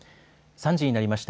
３時になりました。